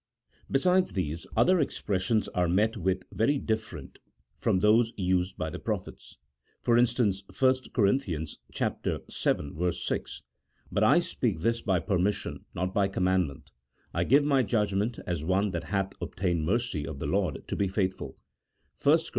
Besides these, other expressions are met with very different from those used by the prophets. For instance, 1 Cor. vii. 6, " But I speak this by permission, not by command ment ;" I give my judgment as one that hath obtained mercy of the Lord to be faithful" (1 Cor.